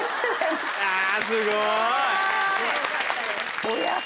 いやすごい！